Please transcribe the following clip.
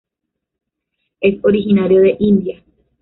Es originario de India.